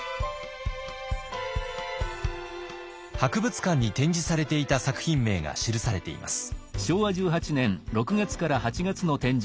博物館に展示されていた作品名が記されています。